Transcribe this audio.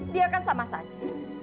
dia kan sama saja